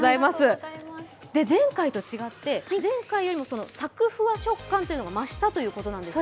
前回と違って、前回よりもさくふわ食感が増したということですか？